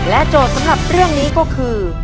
โจทย์สำหรับเรื่องนี้ก็คือ